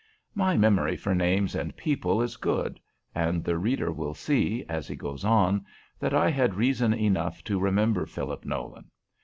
My memory for names and people is good, and the reader will see, as he goes on, that I had reason enough to remember Philip Nolan.